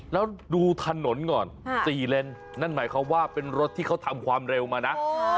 แล้วดูถนนก่อน๔เลนนั่นหมายความว่าเป็นรถที่เขาทำความเร็วมานะ